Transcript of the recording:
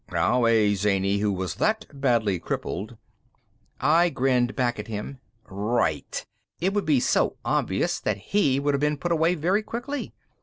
"Now, a zany who was that badly crippled ?" I grinned back at him. "Right. It would be so obvious that he would have been put away very quickly.